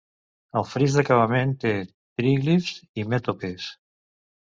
El fris d'acabament té tríglifs i mètopes.